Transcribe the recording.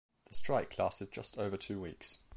The strike lasted just over two weeks.